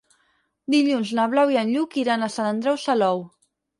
Dilluns na Blau i en Lluc iran a Sant Andreu Salou.